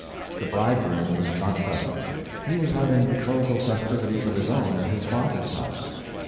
The bridegroom was not present. He was having betrothal festivities of his own at his father's house.